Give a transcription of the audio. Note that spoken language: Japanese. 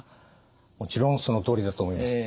もちろんそのとおりだと思います。